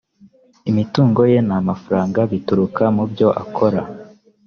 imitungo ye n’ amafaranga bituruka mubyo akora